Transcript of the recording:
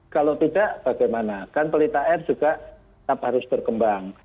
kalau tidak bagaimana kan pelita air juga tetap harus berkembang